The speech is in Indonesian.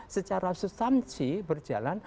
secara susamci berjalan